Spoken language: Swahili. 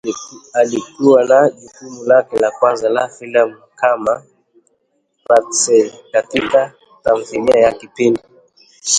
alikuwa na jukumu lake la kwanza la filamu kama Patsey katika tamthilia ya kipindi